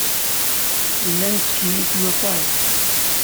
Llan ttkeyyifen aṭas.